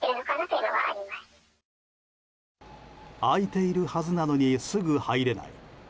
空いているはずなのにすぐ入れない。